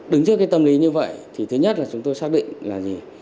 đứng trước cái tâm lý như vậy thì thứ nhất là chúng tôi xác định là gì